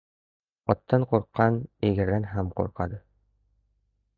• Otdan qo‘rqqan egardan ham qo‘rqadi.